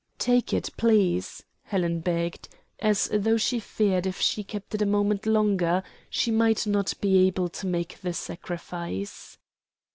"Take it, please," Helen begged, as though she feared if she kept it a moment longer she might not be able to make the sacrifice.